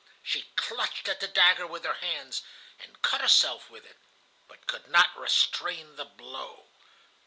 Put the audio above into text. She clutched at the dagger with her hands, and cut herself with it, but could not restrain the blow.